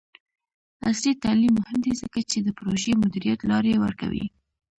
عصري تعلیم مهم دی ځکه چې د پروژې مدیریت لارې ورکوي.